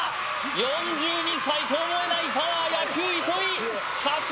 ４２歳と思えないパワー野球・糸井春日